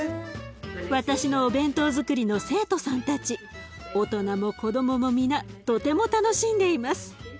私のお弁当づくりの生徒さんたち大人も子どもも皆とても楽しんでいます。